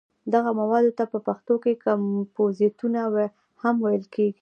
دغه موادو ته په پښتو کې کمپوزیتونه هم ویل کېږي.